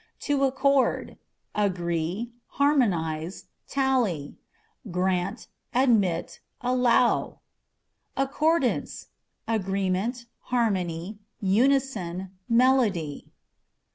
To Accord â€" agree, harmonize, tally ; grant, admit, allow. Accordance â€" agreement, harmony, unison, melody.